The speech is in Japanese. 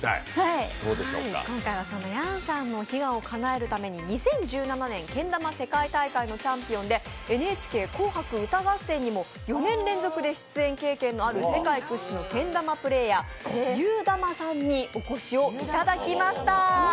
今回はやんさんの悲願を叶えるためにチャンピオンでＮＨＫ「紅白歌合戦」にも４年連続で出演経験のある世界屈指のけん玉プレイヤー、ゆーだまさんにお越しをいただきました。